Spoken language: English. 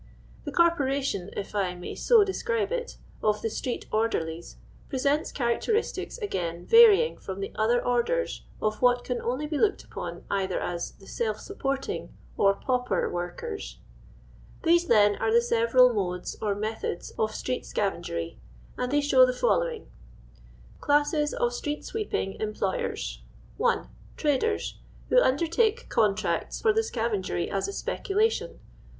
The corporation, if I may so describe it, of the street orderiies, presents characteristics, again, varying from the other orders of what can only be looked upon either as the self supporting or pauper workers. These, then, are the several modes or methods of street sea vengery, and they show the following: — Classes of Strebt Sh'beping Employers. (1.) Traders, who undertake contracts for Bcavengery as a speculation.